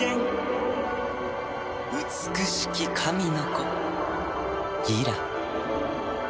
美しき神の子ギラ。